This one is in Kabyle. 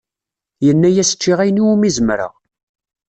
Yenna-yas ččiɣ ayen iwumi zemreɣ.